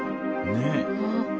ねえ。